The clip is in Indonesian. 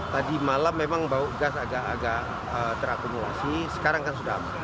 tadi malam memang bau gas agak agak terakumulasi sekarang kan sudah aman